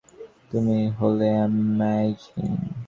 তুমি হলে অ্যামেজিং।